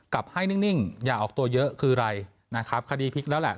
กลับให้นิ่งอย่าออกตัวเยอะคืออะไรนะครับคดีพลิกแล้วแหละ